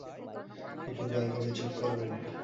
আপনি দয়া করে চুপ করবেন?